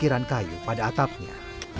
dan kayu pada atapnya